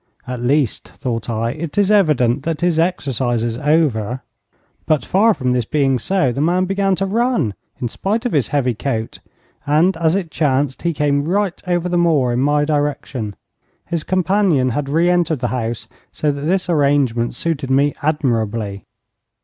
'At least,' thought I, 'it is evident that his exercise is over'; but, far from this being so, the man began to run, in spite of his heavy coat, and as it chanced, he came right over the moor in my direction. His companion had re entered the house, so that this arrangement suited me admirably.